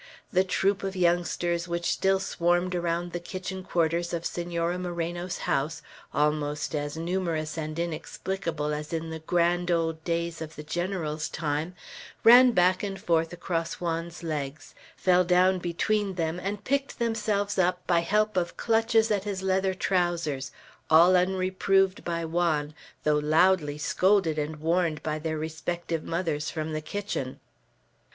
The troop of youngsters which still swarmed around the kitchen quarters of Senora Moreno's house, almost as numerous and inexplicable as in the grand old days of the General's time, ran back and forth across Juan's legs, fell down between them, and picked themselves up by help of clutches at his leather trousers, all unreproved by Juan, though loudly scolded and warned by their respective mothers from the kitchen.